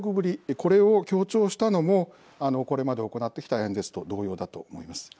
これを強調したのもこれまで行ってきた演説と同様だと思います。